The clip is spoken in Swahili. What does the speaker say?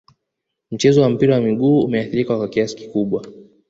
mchezo wa mpira wa miguu umeathirika kwa kiasi kikubwa